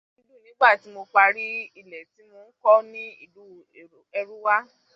Inú mi dùn nígbàtí mo parí ilé tí mò ń kọ́ ní ìlú Èrúwà.